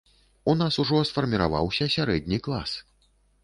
У нас ужо сфарміраваўся сярэдні клас.